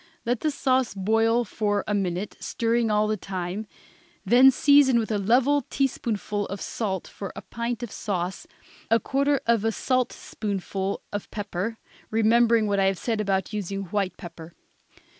Let the sauce boil for a minute, stirring all the time, then season with a level teaspoonful of salt for a pint of sauce, a quarter of a saltspoonful of pepper, remembering what I have said about using white pepper.